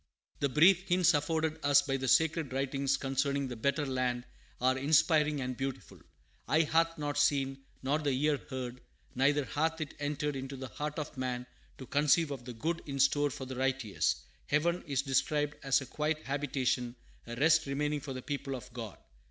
The brief hints afforded us by the sacred writings concerning the better land are inspiring and beautiful. Eye hath not seen, nor the ear heard, neither hath it entered into the heart of man to conceive of the good in store for the righteous. Heaven is described as a quiet habitation, a rest remaining for the people of God.